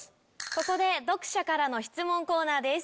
ここで読者からの質問コーナーです。